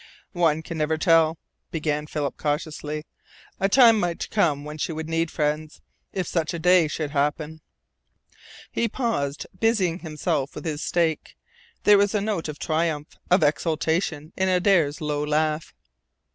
"One never can tell," began Philip cautiously. "A time might come when she would need friends. If such a day should happen " He paused, busying himself with his steak. There was a note of triumph, of exultation, in Adare's low laugh.